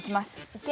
いけ！